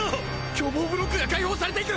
居房ブロックが解放されていく！